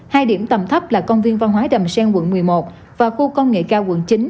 hai điểm tầm thấp là công viên văn hóa đầm sen quận một mươi một và khu công nghệ cao quận chín